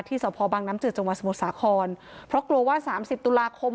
สพบังน้ำจืดจังหวัดสมุทรสาครเพราะกลัวว่าสามสิบตุลาคม